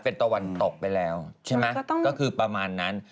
เป็นตะวันตกไปแล้วใช่ไหมก็คือประมาณนั้น